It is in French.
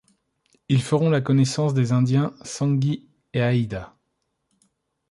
Ils feront la connaissance des indiens Sanghees et Haïda.